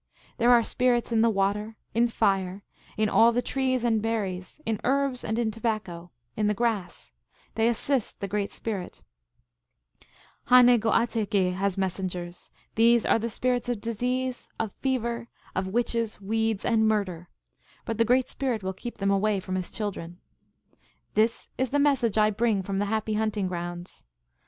" There are spirits in the water, in fire, in all the trees and berries, in herbs and in tobacco, in the grass. They assist the Great Spirit. " Always return thanks to ffo noh che noh Jceh, the Guardian Spirits. " Ha ne go ate geh has messengers. These are the spirits of disease, of fever, of witches, weeds, and murder. But the Great Spirit will keep them away from his children. " This is the message I bring from the happy hunt ing grounds.